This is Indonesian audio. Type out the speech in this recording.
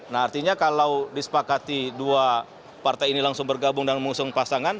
nah artinya kalau disepakati dua partai ini langsung bergabung dan mengusung pasangan